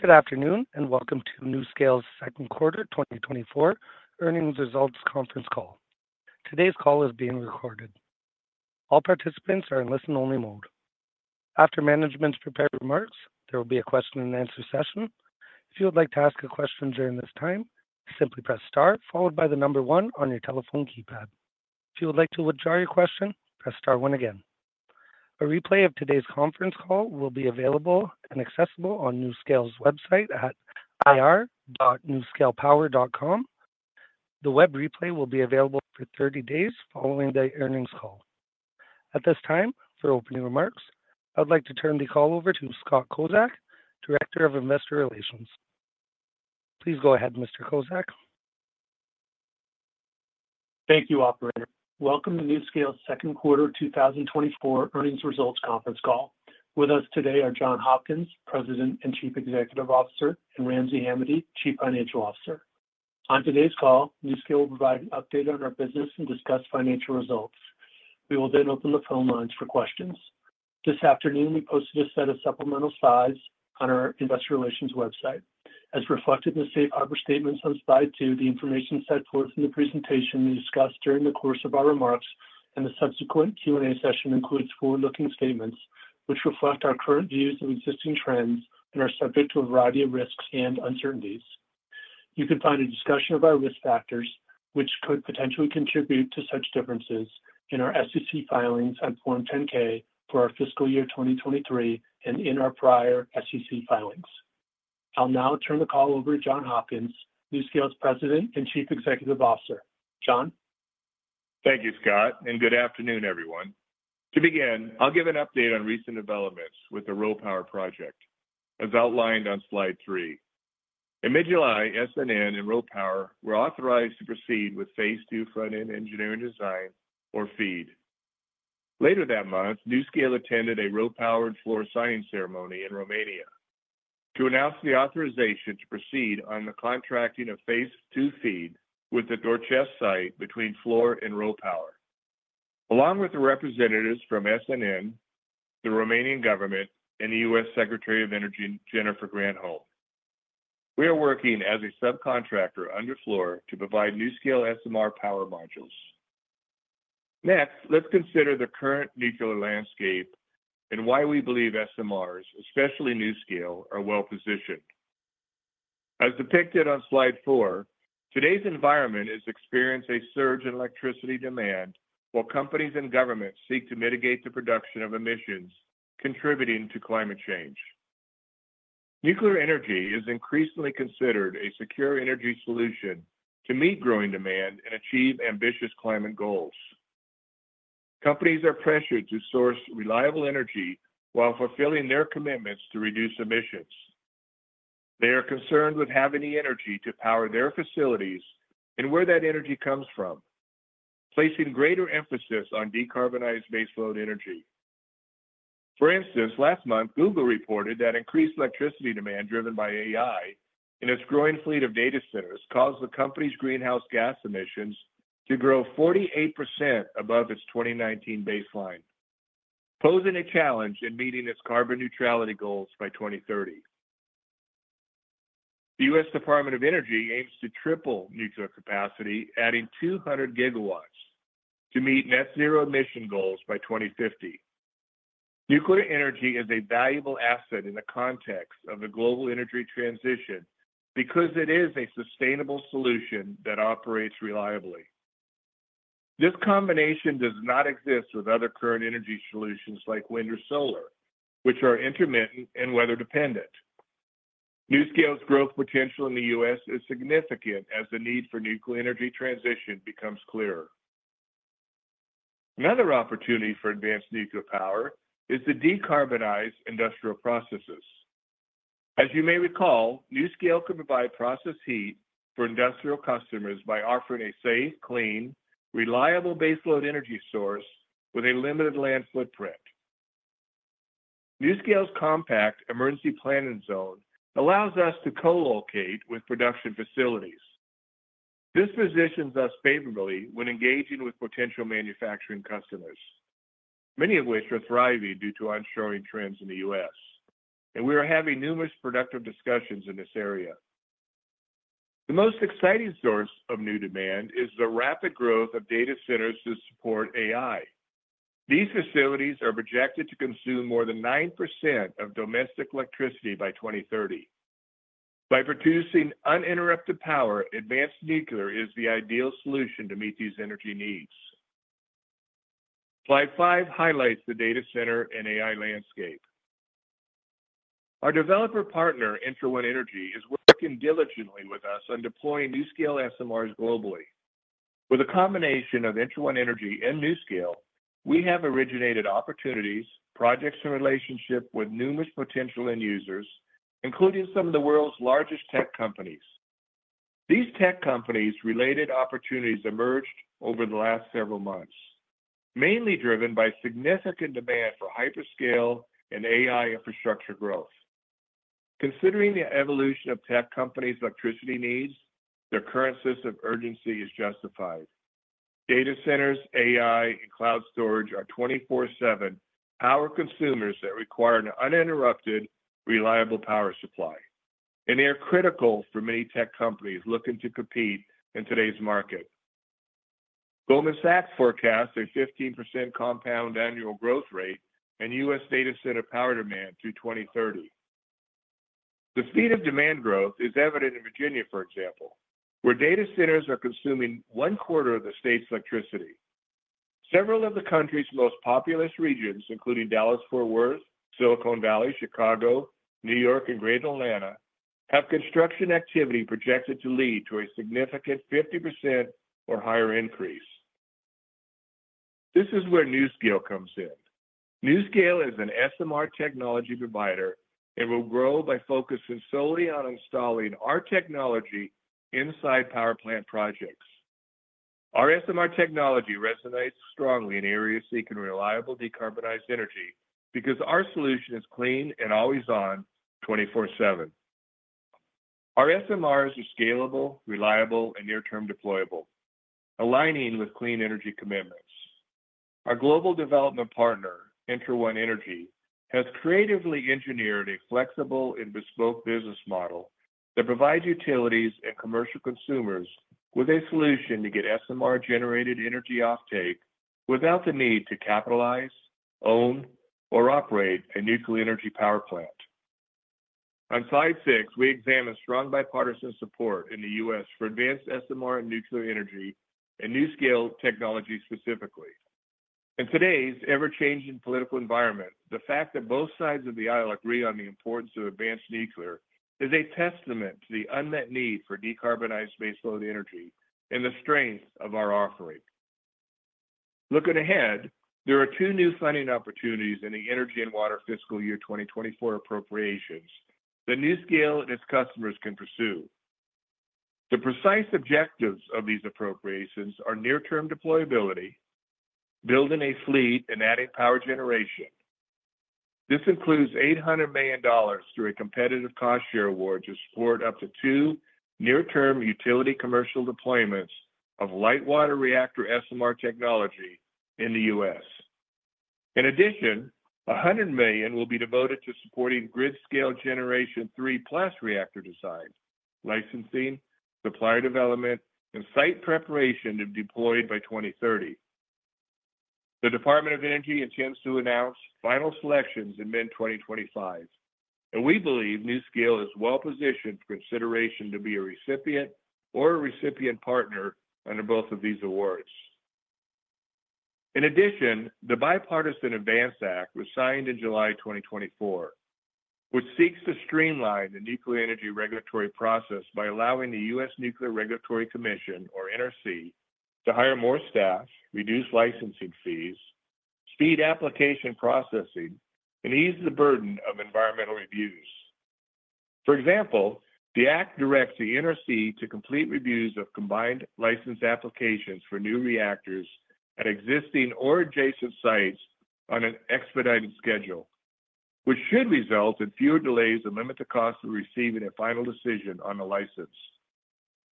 Good afternoon, and welcome to NuScale's second quarter 2024 earnings results conference call. Today's call is being recorded. All participants are in listen-only mode. After management's prepared remarks, there will be a question-and-answer session. If you would like to ask a question during this time, simply press star followed by the number 1 on your telephone keypad. If you would like to withdraw your question, press star 1 again. A replay of today's conference call will be available and accessible on NuScale's website at ir.nuscalepower.com. The web replay will be available for 30 days following the earnings call. At this time, for opening remarks, I'd like to turn the call over to Scott Kozak, Director of Investor Relations. Please go ahead, Mr. Kozak. Thank you, Operator. Welcome to NuScale's second quarter 2024 earnings results conference call. With us today are John Hopkins, President and Chief Executive Officer, and Ramsey Hamidi, Chief Financial Officer. On today's call, NuScale will provide an update on our business and discuss financial results. We will then open the phone lines for questions. This afternoon, we posted a set of supplemental slides on our investor relations website. As reflected in the safe harbor statements on slide 2, the information set forth in the presentation we discussed during the course of our remarks and the subsequent Q&A session includes forward-looking statements, which reflect our current views of existing trends and are subject to a variety of risks and uncertainties. You can find a discussion of our risk factors, which could potentially contribute to such differences in our SEC filings on Form 10-K for our fiscal year 2023 and in our prior SEC filings. I'll now turn the call over to John Hopkins, NuScale's President and Chief Executive Officer. John? Thank you, Scott, and good afternoon, everyone. To begin, I'll give an update on recent developments with the RoPower project, as outlined on slide 3. In mid-July, SNN and RoPower were authorized to proceed with phase 2 front-end engineering design or FEED. Later that month, NuScale attended a RoPower and Fluor signing ceremony in Romania to announce the authorization to proceed on the contracting of phase II FEED with the Doicești site between Fluor and RoPower. Along with the representatives from SNN, the Romanian government, and the U.S. Secretary of Energy, Jennifer Granholm, we are working as a subcontractor under Fluor to provide NuScale SMR power modules. Next, let's consider the current nuclear landscape and why we believe SMRs, especially NuScale, are well-positioned. As depicted on slide 4, today's environment has experienced a surge in electricity demand, while companies and governments seek to mitigate the production of emissions contributing to climate change. Nuclear energy is increasingly considered a secure energy solution to meet growing demand and achieve ambitious climate goals. Companies are pressured to source reliable energy while fulfilling their commitments to reduce emissions. They are concerned with having the energy to power their facilities and where that energy comes from, placing greater emphasis on decarbonized baseload energy. For instance, last month, Google reported that increased electricity demand driven by AI in its growing fleet of data centers caused the company's greenhouse gas emissions to grow 48% above its 2019 baseline, posing a challenge in meeting its carbon neutrality goals by 2030. The U.S. Department of Energy aims to triple nuclear capacity, adding 200 GW, to meet net zero emissions goals by 2050. Nuclear energy is a valuable asset in the context of the global energy transition because it is a sustainable solution that operates reliably. This combination does not exist with other current energy solutions like wind or solar, which are intermittent and weather-dependent. NuScale's growth potential in the U.S. is significant as the need for nuclear energy transition becomes clearer. Another opportunity for advanced nuclear power is to decarbonize industrial processes. As you may recall, NuScale could provide process heat for industrial customers by offering a safe, clean, reliable baseload energy source with a limited land footprint. NuScale's compact emergency planning zone allows us to co-locate with production facilities. This positions us favorably when engaging with potential manufacturing customers, many of which are thriving due to onshoring trends in the U.S., and we are having numerous productive discussions in this area. The most exciting source of new demand is the rapid growth of data centers to support AI. These facilities are projected to consume more than 9% of domestic electricity by 2030. By producing uninterrupted power, advanced nuclear is the ideal solution to meet these energy needs. Slide 5 highlights the data center and AI landscape. Our developer partner, ENTRA1 Energy, is working diligently with us on deploying NuScale SMRs globally. With a combination of ENTRA1 Energy and NuScale, we have originated opportunities, projects, and relationship with numerous potential end users, including some of the world's largest tech companies. These tech companies' related opportunities emerged over the last several months, mainly driven by significant demand for hyperscale and AI infrastructure growth. Considering the evolution of tech companies' electricity needs, their current sense of urgency is justified... Data centers, AI, and cloud storage are 24/7 power consumers that require an uninterrupted, reliable power supply, and they are critical for many tech companies looking to compete in today's market. Goldman Sachs Group, Inc., forecasts a 15% compound annual growth rate in U.S. data center power demand through 2030. The speed of demand growth is evident in Virginia, for example, where data centers are consuming one quarter of the state's electricity. Several of the country's most populous regions, including Dallas-Fort Worth, Silicon Valley, Chicago, New York, and Greater Atlanta, have construction activity projected to lead to a significant 50% or higher increase. This is where NuScale comes in. NuScale is an SMR technology provider and will grow by focusing solely on installing our technology inside power plant projects. Our SMR technology resonates strongly in areas seeking reliable, decarbonized energy because our solution is clean and always on, 24/7. Our SMRs are scalable, reliable, and near-term deployable, aligning with clean energy commitments. Our global development partner, ENTRA1 Energy, has creatively engineered a flexible and bespoke business model that provides utilities and commercial consumers with a solution to get SMR-generated energy offtake without the need to capitalize, own, or operate a nuclear energy power plant. On slide six, we examine strong bipartisan support in the U.S. for advanced SMR and nuclear energy and NuScale technology specifically. In today's ever-changing political environment, the fact that both sides of the aisle agree on the importance of advanced nuclear is a testament to the unmet need for decarbonized baseload energy and the strength of our offering. Looking ahead, there are two new funding opportunities in the energy and water fiscal year 2024 appropriations that NuScale and its customers can pursue. The precise objectives of these appropriations are near-term deployability, building a fleet, and adding power generation. This includes $800 million through a competitive cost share award to support up to two near-term utility commercial deployments of light water reactor SMR technology in the U.S. In addition, $100 million will be devoted to supporting grid scale Generation III+ reactor design, licensing, supplier development, and site preparation to be deployed by 2030. The Department of Energy intends to announce final selections in mid-2025, and we believe NuScale is well positioned for consideration to be a recipient or a recipient partner under both of these awards. In addition, the Bipartisan ADVANCE Act was signed in July 2024, which seeks to streamline the nuclear energy regulatory process by allowing the U.S. Nuclear Regulatory Commission, or NRC, to hire more staff, reduce licensing fees, speed application processing, and ease the burden of environmental reviews. For example, the act directs the NRC to complete reviews of combined license applications for new reactors at existing or adjacent sites on an expedited schedule, which should result in fewer delays and limit the cost of receiving a final decision on the license.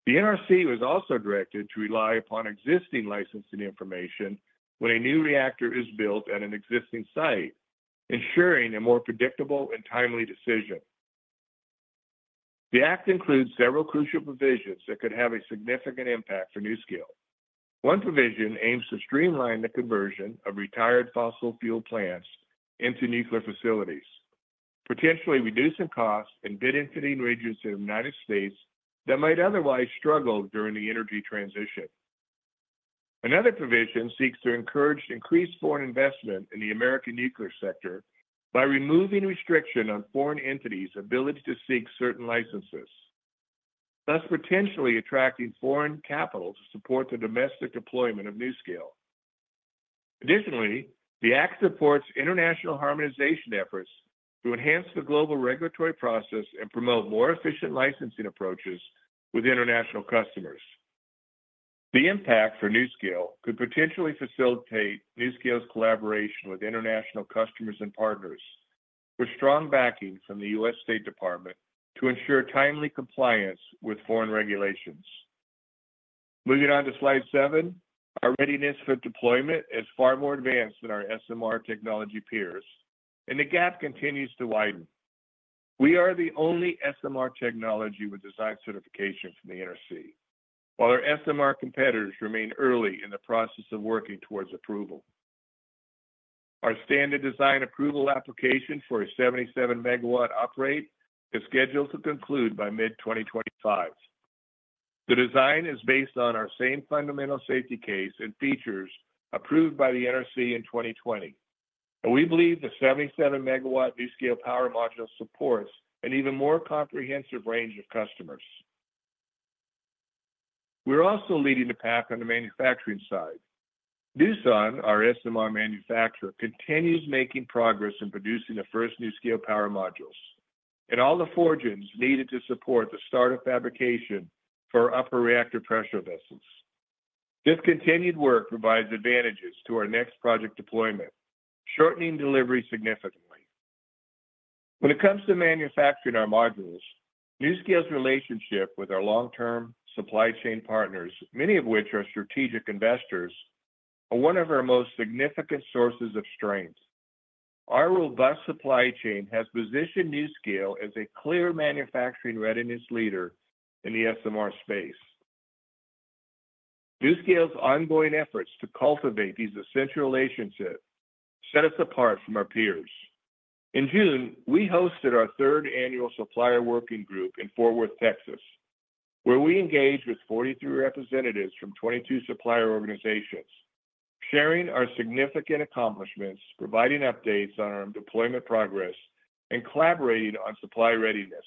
The NRC was also directed to rely upon existing licensing information when a new reactor is built at an existing site, ensuring a more predictable and timely decision. The Act includes several crucial provisions that could have a significant impact for NuScale. One provision aims to streamline the conversion of retired fossil fuel plants into nuclear facilities, potentially reducing costs and fitting regions of the United States that might otherwise struggle during the energy transition. Another provision seeks to encourage increased foreign investment in the American nuclear sector by removing restrictions on foreign entities' ability to seek certain licenses, thus potentially attracting foreign capital to support the domestic deployment of NuScale. Additionally, the Act supports international harmonization efforts to enhance the global regulatory process and promote more efficient licensing approaches with international customers. The impact for NuScale could potentially facilitate NuScale's collaboration with international customers and partners, with strong backing from the U.S. State Department to ensure timely compliance with foreign regulations. Moving on to slide 7, our readiness for deployment is far more advanced than our SMR technology peers, and the gap continues to widen. We are the only SMR technology with design certification from the NRC, while our SMR competitors remain early in the process of working towards approval. Our standard design approval application for a 77 MW uprate is scheduled to conclude by mid-2025. The design is based on our same fundamental safety case and features approved by the NRC in 2020, and we believe the 77 MW NuScale Power Module supports an even more comprehensive range of customers. We're also leading the pack on the manufacturing side. NuScale, our SMR manufacturer, continues making progress in producing the first NuScale power modules and all the forgings needed to support the start of fabrication for upper reactor pressure vessels. This continued work provides advantages to our next project deployment, shortening delivery significantly. When it comes to manufacturing our modules, NuScale's relationship with our long-term supply chain partners, many of which are strategic investors, are one of our most significant sources of strength. Our robust supply chain has positioned NuScale as a clear manufacturing readiness leader in the SMR space. NuScale's ongoing efforts to cultivate these essential relationships set us apart from our peers. In June, we hosted our third annual Supplier Working Group in Fort Worth, Texas, where we engaged with 43 representatives from 22 supplier organizations, sharing our significant accomplishments, providing updates on our deployment progress, and collaborating on supply readiness.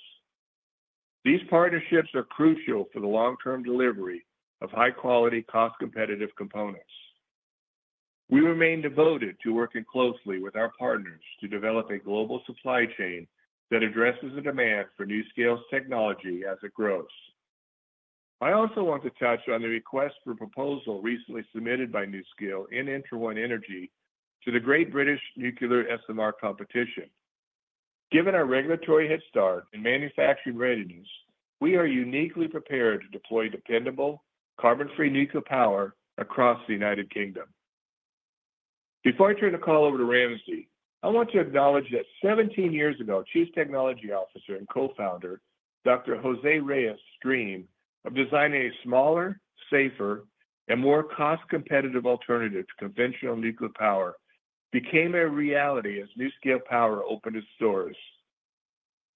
These partnerships are crucial for the long-term delivery of high-quality, cost-competitive components. We remain devoted to working closely with our partners to develop a global supply chain that addresses the demand for NuScale's technology as it grows. I also want to touch on the request for proposal recently submitted by NuScale and ENTRA1 Energy to the Great British Nuclear SMR Competition. Given our regulatory head start and manufacturing readiness, we are uniquely prepared to deploy dependable, carbon-free nuclear power across the United Kingdom. Before I turn the call over to Ramsey, I want to acknowledge that 17 years ago, Chief Technology Officer and Co-founder, Dr. Jose Reyes' dream of designing a smaller, safer, and more cost-competitive alternative to conventional nuclear power became a reality as NuScale Power opened its doors.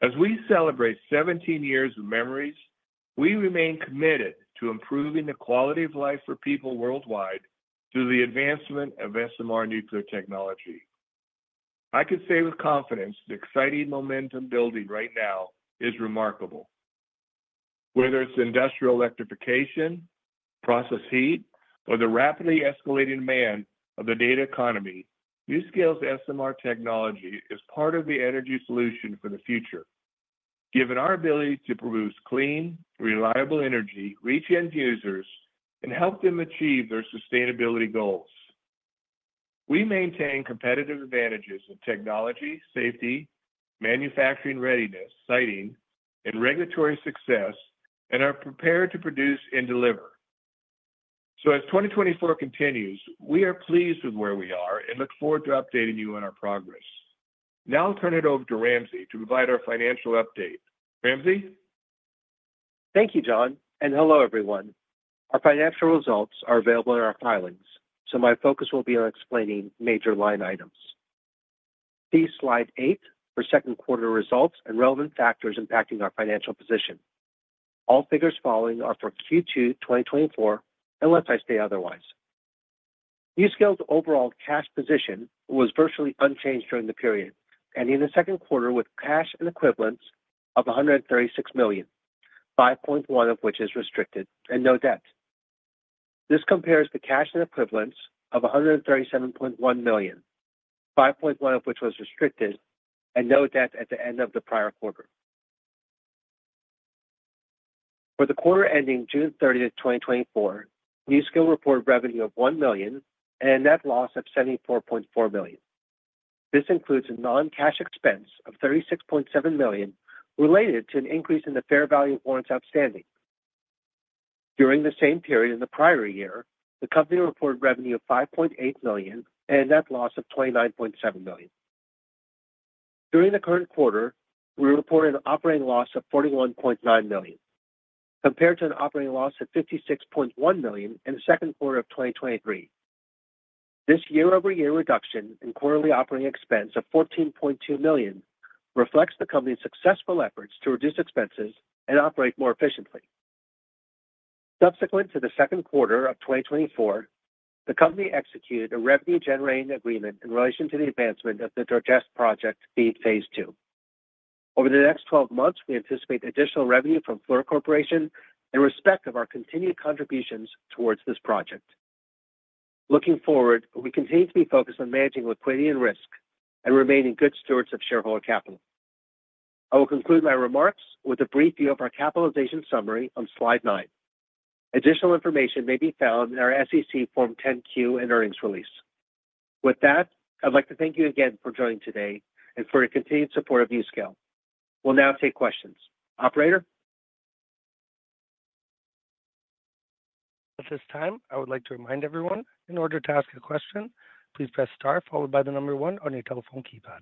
As we celebrate 17 years of memories, we remain committed to improving the quality of life for people worldwide through the advancement of SMR nuclear technology. I can say with confidence, the exciting momentum building right now is remarkable. Whether it's industrial electrification, process heat, or the rapidly escalating demand of the data economy, NuScale's SMR technology is part of the energy solution for the future, given our ability to produce clean, reliable energy, reach end users, and help them achieve their sustainability goals. We maintain competitive advantages in technology, safety, manufacturing readiness, siting, and regulatory success, and are prepared to produce and deliver. So as 2024 continues, we are pleased with where we are and look forward to updating you on our progress. Now I'll turn it over to Ramsey to provide our financial update. Ramsey? Thank you, John, and hello, everyone. Our financial results are available in our filings, so my focus will be on explaining major line items. Please slide 8 for second quarter results and relevant factors impacting our financial position. All figures following are for Q2 2024, unless I state otherwise. NuScale's overall cash position was virtually unchanged during the period, ending the second quarter with cash and equivalents of $136 million, $5.1 million of which is restricted and no debt. This compares to cash and equivalents of $137.1 million, $5.1 million of which was restricted, and no debt at the end of the prior quarter. For the quarter ending June 30th, 2024, NuScale reported revenue of $1 million and a net loss of $74.4 million. This includes a non-cash expense of $36.7 million, related to an increase in the fair value of warrants outstanding. During the same period in the prior year, the company reported revenue of $5.8 million and a net loss of $29.7 million. During the current quarter, we reported an operating loss of $41.9 million, compared to an operating loss of $56.1 million in the second quarter of 2023. This year-over-year reduction in quarterly operating expense of $14.2 million reflects the company's successful efforts to reduce expenses and operate more efficiently. Subsequent to the second quarter of 2024, the company executed a revenue-generating agreement in relation to the advancement of the Doicești project, FEED phase II. Over the next 12 months, we anticipate additional revenue from Fluor Corporation in respect of our continued contributions towards this project. Looking forward, we continue to be focused on managing liquidity and risk and remaining good stewards of shareholder capital. I will conclude my remarks with a brief view of our capitalization summary on slide 9. Additional information may be found in our SEC Form 10-Q and earnings release. With that, I'd like to thank you again for joining today and for your continued support of NuScale. We'll now take questions. Operator? At this time, I would like to remind everyone, in order to ask a question, please press star followed by the number one on your telephone keypad.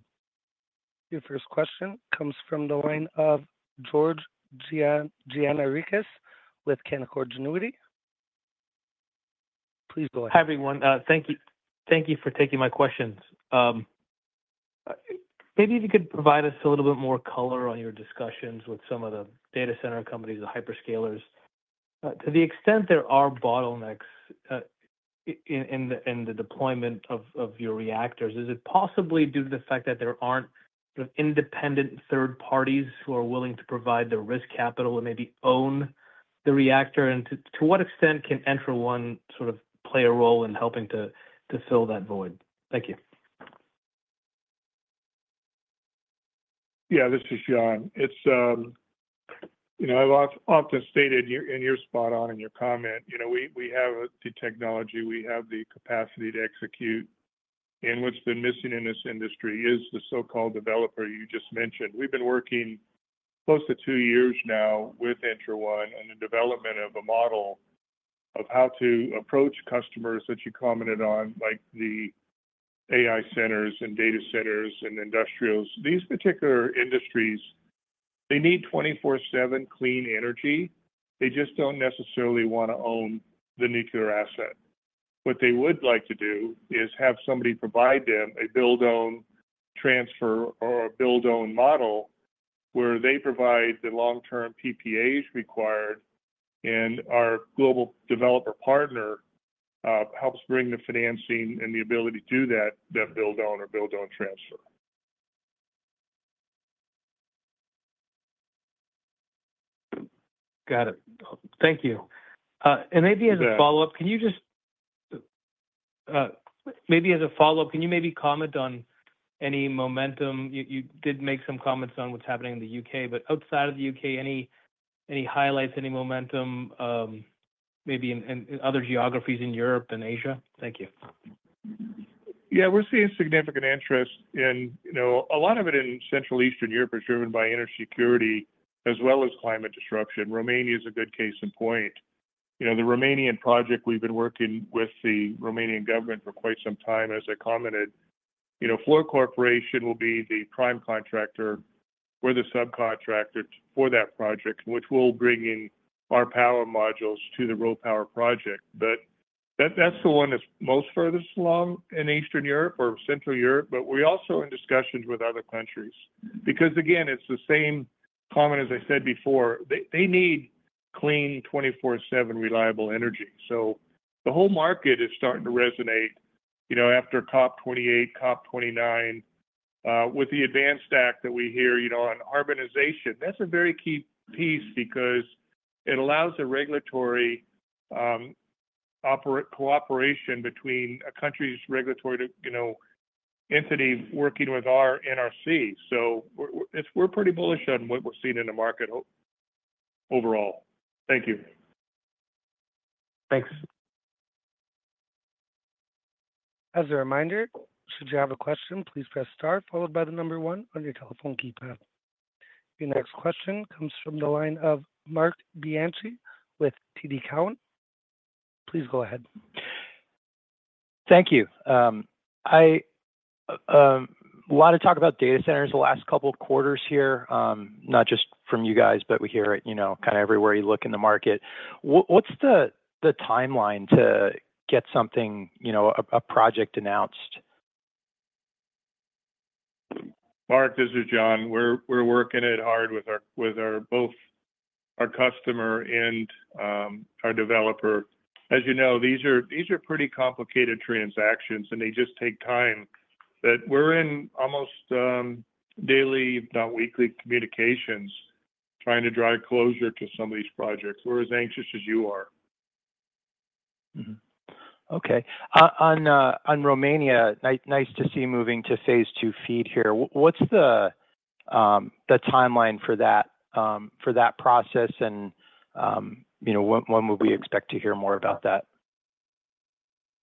Your first question comes from the line of George Gianarikas with Canaccord Genuity. Please go ahead. Hi, everyone. Thank you, thank you for taking my questions. Maybe if you could provide us a little bit more color on your discussions with some of the data center companies, the hyperscalers. To the extent there are bottlenecks in the deployment of your reactors, is it possibly due to the fact that there aren't sort of independent third parties who are willing to provide the risk capital and maybe own the reactor? And to what extent can ENTRA1 sort of play a role in helping to fill that void? Thank you. Yeah, this is John. It's... You know, I've often stated, and you're spot on in your comment, you know, we have the technology, we have the capacity to execute, and what's been missing in this industry is the so-called developer you just mentioned. We've been working close to 2 years now with ENTRA1 on the development of a model of how to approach customers that you commented on, like the AI centers and data centers and industrials. These particular industries, they need 24/7 clean energy. They just don't necessarily want to own the nuclear asset. What they would like to do is have somebody provide them a build, own, transfer, or a build own model, where they provide the long-term PPAs required, and our global developer partner helps bring the financing and the ability to do that, that build own or build own transfer. Got it. Thank you. And maybe as a follow-up, can you comment on any momentum? You did make some comments on what's happening in the U.K., but outside of the U.K., any highlights, any momentum, maybe in other geographies in Europe and Asia? Thank you. Yeah, we're seeing significant interest in, you know, a lot of it in Central Eastern Europe is driven by energy security as well as climate disruption. Romania is a good case in point. You know, the Romanian project, we've been working with the Romanian government for quite some time, as I commented. You know, Fluor Corporation will be the prime contractor. We're the subcontractor for that project, which we'll bring in our power modules to the RoPower project. But that- that's the one that's most furthest along in Eastern Europe or Central Europe, but we're also in discussions with other countries. Because, again, it's the same comment as I said before, they, they need clean, 24/7 reliable energy. So the whole market is starting to resonate, you know, after COP28, COP29, with the ADVANCE Act that we hear, you know, on urbanization. That's a very key piece because it allows the regulatory cooperation between a country's regulatory, you know, entity working with our NRC. So we're pretty bullish on what we're seeing in the market overall. Thank you. Thanks. As a reminder, should you have a question, please press star followed by the number one on your telephone keypad. Your next question comes from the line of Mark Bianchi with TD Cowen. Please go ahead. Thank you. A lot of talk about data centers the last couple of quarters here, not just from you guys, but we hear it, you know, kinda everywhere you look in the market. What's the timeline to get something, you know, a project announced? Mark, this is John. We're working it hard with our both our customer and our developer. As you know, these are pretty complicated transactions, and they just take time. But we're in almost daily, if not weekly, communications, trying to drive closure to some of these projects. We're as anxious as you are. Mm-hmm. Okay. On Romania, nice to see you moving to phase II FEED here. What's the timeline for that process? And, you know, when would we expect to hear more about that?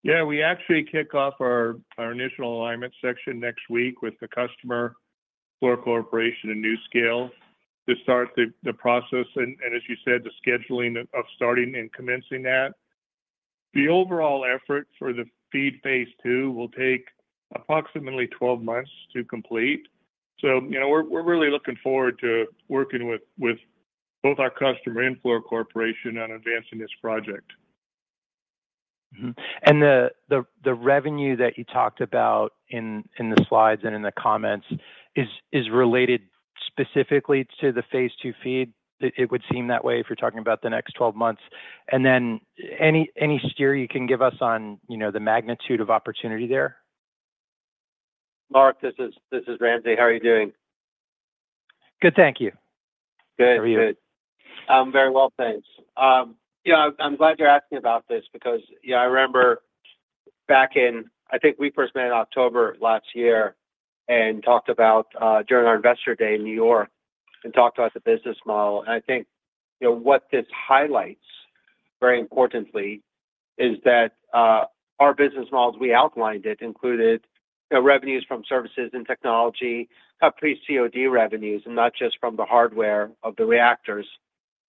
Yeah, we actually kick off our initial alignment section next week with the customer, Fluor Corporation and NuScale, to start the process and, as you said, the scheduling of starting and commencing that. The overall effort for the FEED phase II will take approximately 12 months to complete. So, you know, we're really looking forward to working with both our customer and Fluor Corporation on advancing this project. Mm-hmm. And the revenue that you talked about in the slides and in the comments is related specifically to the phase II FEED? It would seem that way if you're talking about the next 12 months. And then, any steer you can give us on, you know, the magnitude of opportunity there? Mark, this is Ramsey. How are you doing? Good, thank you. Good. How are you? Good. Very well, thanks. Yeah, I'm glad you're asking about this because, yeah, I remember back in, I think we first met in October last year and talked about, during our Investor Day in New York, and talked about the business model. And I think, you know, what this highlights, very importantly, is that, our business models, we outlined it, included, revenues from services and technology, pre-COD revenues, and not just from the hardware of the reactors.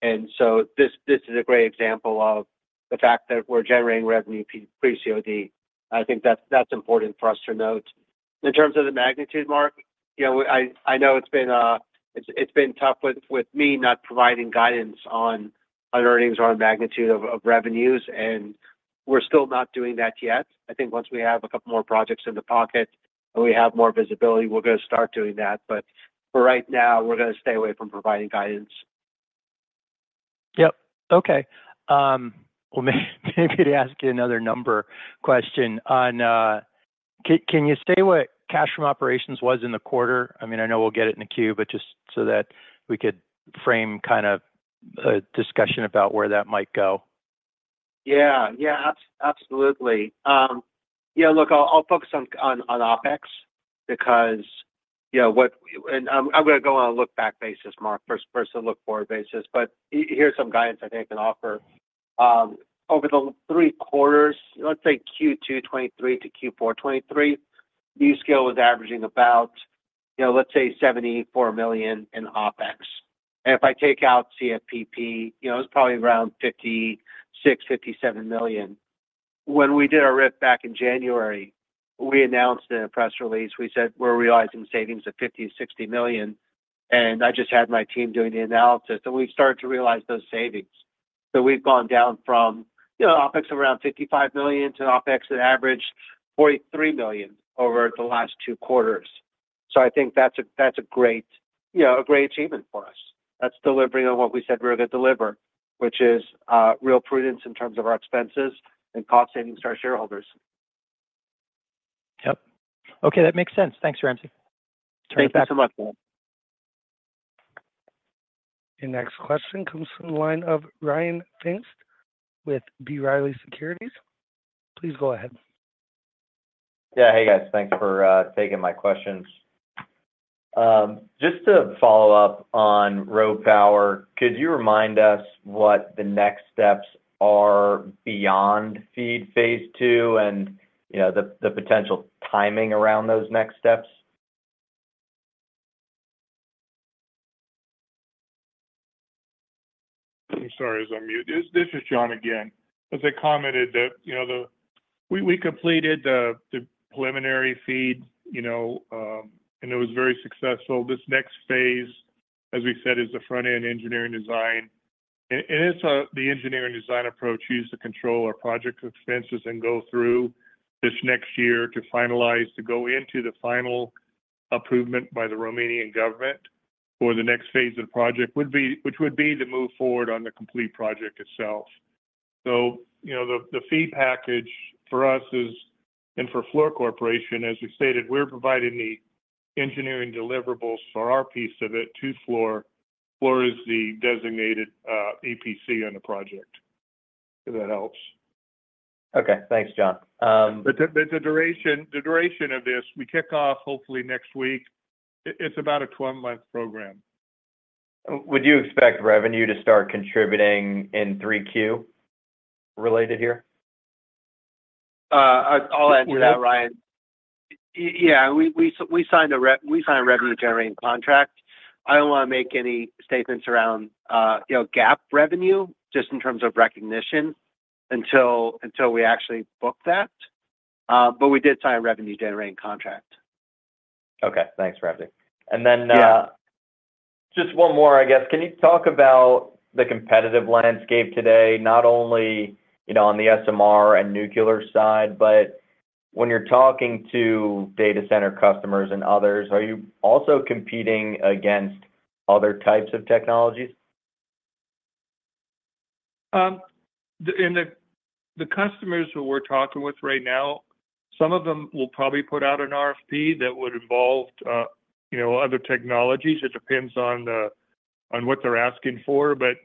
And so this, this is a great example of the fact that we're generating revenue pre-COD. I think that's, that's important for us to note. In terms of the magnitude, Mark, you know, I, I know it's been, it's been tough with, with me not providing guidance on, on earnings or on magnitude of, of revenues, and we're still not doing that yet. I think once we have a couple more projects in the pocket and we have more visibility, we're gonna start doing that. But for right now, we're gonna stay away from providing guidance. Yep. Okay. Well, maybe to ask you another number question on, can you state what cash from operations was in the quarter? I mean, I know we'll get it in the queue, but just so that we could frame kind of a discussion about where that might go.... Yeah, yeah, absolutely. Yeah, look, I'll focus on OpEx because, you know, and I'm gonna go on a look back basis, Mark, first, versus a look forward basis. But here's some guidance I think I can offer. Over the three quarters, let's say Q2 2023 to Q4 2023, NuScale was averaging about, you know, let's say $74 million in OpEx. And if I take out CFPP, you know, it was probably around $56 million-$57 million. When we did our RIF back in January, we announced in a press release, we said we're realizing savings of $50 million-$60 million, and I just had my team doing the analysis, and we've started to realize those savings. So we've gone down from, you know, OpEx of around $55 million to an OpEx that averaged $43 million over the last two quarters. So I think that's a great, you know, achievement for us. That's delivering on what we said we're gonna deliver, which is real prudence in terms of our expenses and cost savings to our shareholders. Yep. Okay, that makes sense. Thanks, Ramsey. Turn it back- Thank you so much, Mark. Your next question comes from the line of Ryan Pfingst with B. Riley Securities. Please go ahead. Yeah. Hey, guys. Thanks for taking my questions. Just to follow up on RoPower, could you remind us what the next steps are beyond FEED phase II and, you know, the potential timing around those next steps? I'm sorry, I was on mute. This is John again. As I commented that, you know, we completed the preliminary FEED, you know, and it was very successful. This next phase, as we said, is the front-end engineering design. And it's the engineering design approach used to control our project expenses and go through this next year to finalize, to go into the final approval by the Romanian government for the next phase of the project, which would be to move forward on the complete project itself. So, you know, the FEED package for us is, and for Fluor Corporation, as we stated, we're providing the engineering deliverables for our piece of it to Fluor. Fluor is the designated EPC on the project, if that helps. Okay. Thanks, John. The duration of this, we kick off hopefully next week. It's about a 12-month program. Would you expect revenue to start contributing in 3Q related here? I'll add to that, Ryan. Yeah, we signed a revenue generating contract. I don't wanna make any statements around, you know, GAAP revenue, just in terms of recognition, until we actually book that. But we did sign a revenue generating contract. Okay, thanks, Ramsey. Yeah. And then, just one more, I guess. Can you talk about the competitive landscape today, not only, you know, on the SMR and nuclear side, but when you're talking to data center customers and others, are you also competing against other types of technologies? The customers who we're talking with right now, some of them will probably put out an RFP that would involve, you know, other technologies. It depends on what they're asking for. But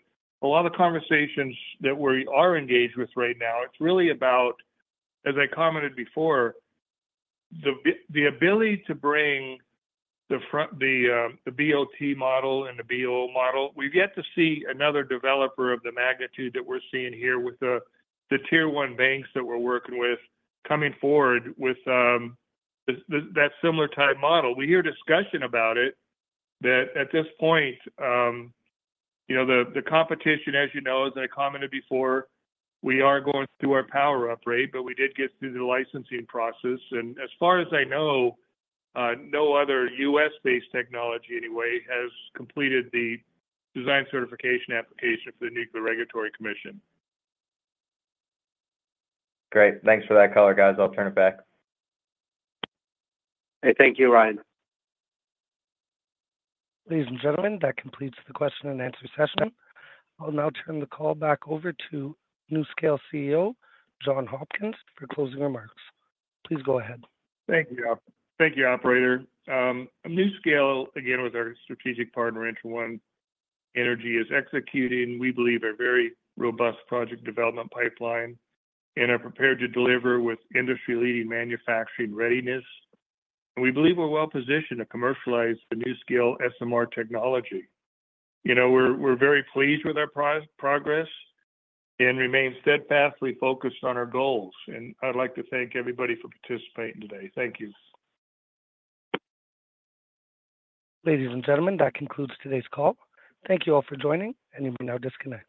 a lot of the conversations that we are engaged with right now, it's really about, as I commented before, the ability to bring the BOT model and the BO model. We've yet to see another developer of the magnitude that we're seeing here with the tier one banks that we're working with, coming forward with that similar type model. We hear discussion about it, that at this point, you know, the competition, as you know, as I commented before, we are going through our power upgrade, but we did get through the licensing process. As far as I know, no other U.S.-based technology, anyway, has completed the design certification application for the U.S. Nuclear Regulatory Commission. Great. Thanks for that color, guys. I'll turn it back. Hey, thank you, Ryan. Ladies and gentlemen, that completes the question and answer session. I'll now turn the call back over to NuScale CEO, John Hopkins, for closing remarks. Please go ahead. Thank you. Thank you, operator. NuScale, again, with our strategic partner, ENTRA1 Energy, is executing, we believe, a very robust project development pipeline and are prepared to deliver with industry-leading manufacturing readiness. We believe we're well positioned to commercialize the NuScale SMR technology. You know, we're very pleased with our progress and remain steadfastly focused on our goals. And I'd like to thank everybody for participating today. Thank you. Ladies and gentlemen, that concludes today's call. Thank you all for joining, and you may now disconnect.